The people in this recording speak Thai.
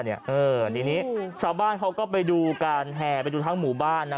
ทีนี้ชาวบ้านเขาก็ไปดูการแห่ไปดูทั้งหมู่บ้านนะ